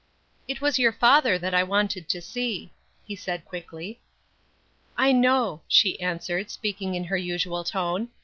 "It was your father that I wanted to see," he said, quickly. "I know," she answered, speaking in her usual tone.